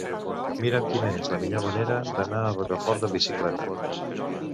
Mira'm quina és la millor manera d'anar a Rocafort amb bicicleta.